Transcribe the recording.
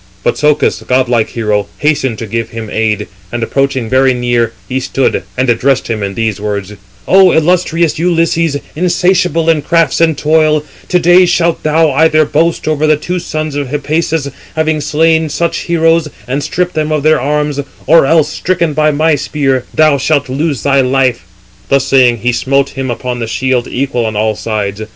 But Socus, godlike hero, hastened to give him aid; and approaching very near, he stood, and addressed him in these words: "O illustrious Ulysses, insatiable in crafts and toil, to day shalt thou either boast over the two sons of Hippasus, having slain such heroes, and stripped them of their arms, or else stricken by my spear, thou shalt lose thy life." Thus saying, he smote him upon the shield equal on all sides.